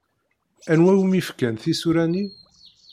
Anwa umi fkan tisura-nni?